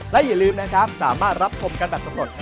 และอย่าลืมนะครับสามารถรับชมกันแบบสำรวจ